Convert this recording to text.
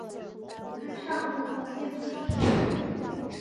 阿尚人口变化图示